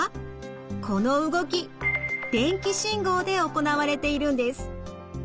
この動き電気信号で行われているんです。